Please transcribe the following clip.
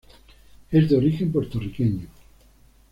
Es de origen puertorriqueño.